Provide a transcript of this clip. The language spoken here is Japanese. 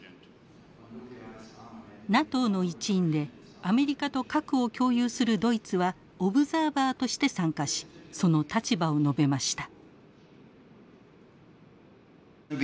ＮＡＴＯの一員でアメリカと核を共有するドイツはオブザーバーとして参加しその立場を述べました。